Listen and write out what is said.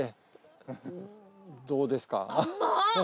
どうですか？